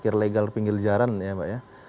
regal pinggir jalan ya pak ya